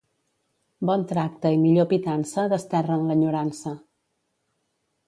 Bon tracte i millor pitança desterren l'enyorança.